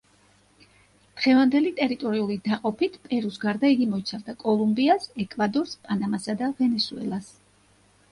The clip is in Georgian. დღევანდელი ტერიტორიული დაყოფით პერუს გარდა იგი მოიცავდა კოლუმბიას, ეკვადორს, პანამასა და ვენესუელას.